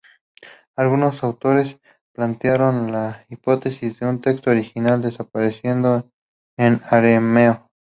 Algunos autores plantearon la hipótesis de un texto original desaparecido en arameo.